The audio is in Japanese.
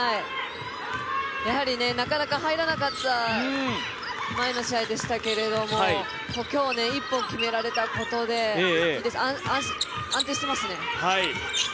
やはりなかなか入らなかった前の試合でしたけれども今日、１本決められたことで安定していますね。